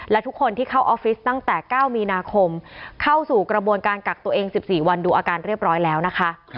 และทุกคนที่เข้าออฟฟิศตั้งแต่๙มีนาคมเข้าสู่กระบวนการกักตัวเอง๑๔วันดูอาการเรียบร้อยแล้วนะคะ